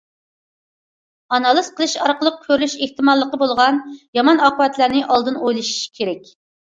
ئانالىز قىلىش ئارقىلىق كۆرۈلۈش ئېھتىماللىقى بولغان يامان ئاقىۋەتلەرنى ئالدىن ئويلىشىش كېرەك.